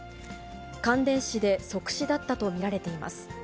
感電死で即死だったと見られています。